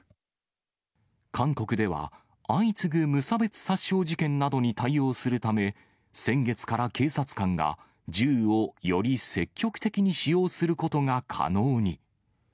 韓国では、相次ぐ無差別殺傷事件などに対応するため、先月から警察官が銃をより積極的に使用することが可能に。